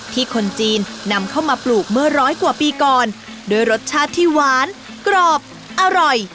คนจีนนำเข้ามาปลูกเมื่อร้อยกว่าปีก่อนด้วยรสชาติที่หวานกรอบอร่อย